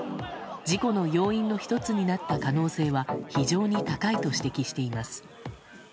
事故の要因の１つになった可能性は非常に高いと指摘しています。